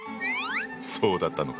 そうだったのか！